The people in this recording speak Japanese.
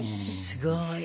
すごーい。